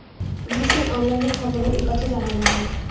BBC অনলাইনের খবরে এ কথা জানানো হয়।